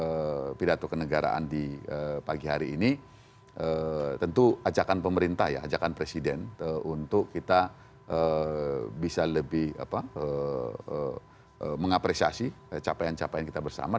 dalam pidato kenegaraan di pagi hari ini tentu ajakan pemerintah ya ajakan presiden untuk kita bisa lebih mengapresiasi capaian capaian kita bersama